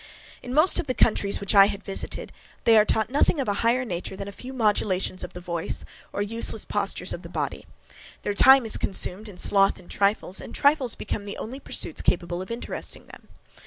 In most of the countries which I had visited, they are taught nothing of an higher nature than a few modulations of the voice, or useless postures of the body; their time is consumed in sloth or trifles, and trifles become the only pursuits capable of interesting them.